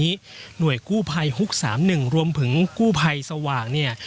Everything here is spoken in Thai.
ฯนหน่อยกู้ภัยหุกสามหนึ่งรวมฝึงกู้ภัยสว่างเนี่ย